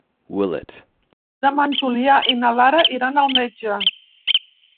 Demà en Julià i na Lara iran al metge.